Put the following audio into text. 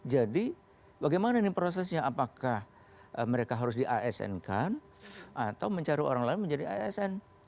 jadi bagaimana ini prosesnya apakah mereka harus di asn kan atau mencari orang lain menjadi asn